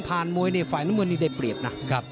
พาน้ำเมือนได้เปรียบน่ะ